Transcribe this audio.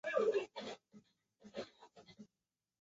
杰克逊镇区为美国堪萨斯州吉里县辖下的镇区。